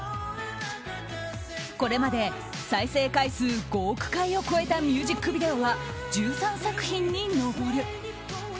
これまで再生回数５億回を超えたミュージックビデオは１３作品に上る。